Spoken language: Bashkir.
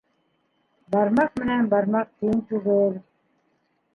Бармаҡ менән бармаҡ тиң түгел